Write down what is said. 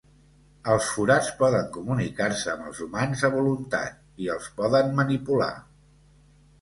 Els forats poden comunicar-se amb els humans a voluntat i els poden manipular.